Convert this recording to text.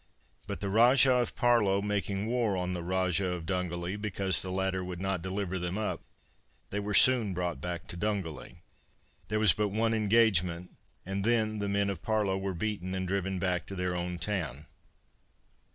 But the Rajah of Parlow making war on the Rajah of Dungally, because the latter would not deliver them up, they were soon brought back to Dungally. There was but one engagement, and then the men of Parlow were beaten and driven back to their own town.